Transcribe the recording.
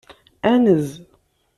Anez.